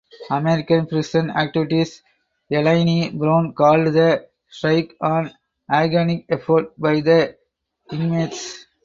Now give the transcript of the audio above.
American prison activist Elaine Brown called the strike an "organic effort" by the inmates.